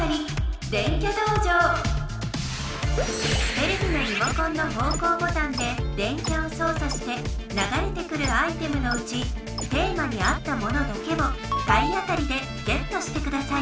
テレビのリモコンの方向ボタンで電キャをそうさしてながれてくるアイテムのうちテーマに合ったものだけを体当たりでゲットしてください。